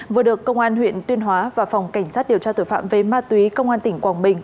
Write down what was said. vừa được công an huyện tuyên hóa và phòng cảnh sát điều tra tội phạm về ma túy công an tỉnh quảng bình